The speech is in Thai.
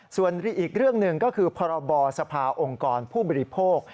ส่วนอีกเรื่องหนึ่งก็คือพรบสภาองค์กรผู้บริโภค